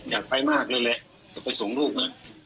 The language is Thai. อยากไปมากเลยแหละจะไปส่งลูกนะ